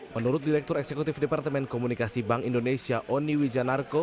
menurut direktur eksekutif departemen komunikasi bank indonesia oni wijanarko